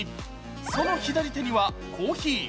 その左手にはコーヒー。